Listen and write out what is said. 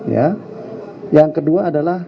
ya yang kedua adalah